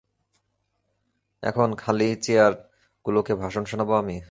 এখন খালি চেয়ার গুলোকে ভাষণ শুনাবো আমি?